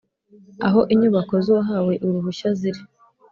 aho inyubako z uwahawe uruhushya ziri